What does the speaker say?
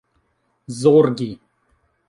zorgi